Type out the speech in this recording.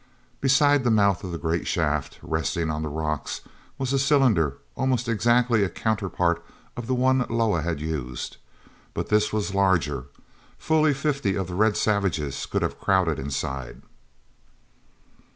Beside the mouth of the great shaft, resting on the rocks, was a cylinder, almost exactly a counterpart of the one Loah had used. But this was larger—fully fifty of the red savages could have crowded inside.